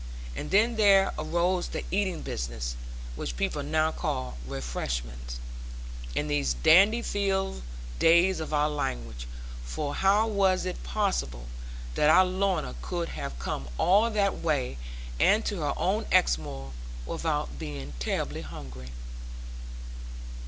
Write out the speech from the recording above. And then there arose the eating business which people now call 'refreshment,' in these dandyfied days of our language for how was it possible that our Lorna could have come all that way, and to her own Exmoor, without being terribly hungry?